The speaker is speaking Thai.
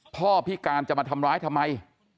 พิการจะมาทำร้ายทำไม